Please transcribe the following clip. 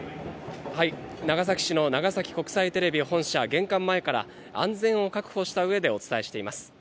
長崎市の長崎国際テレビ本社、玄関前から安全を確保した上でお伝えします。